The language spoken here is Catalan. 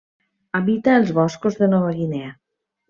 Habita els boscos de Nova Guinea.